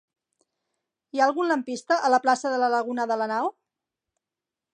Hi ha algun lampista a la plaça de la Laguna de Lanao?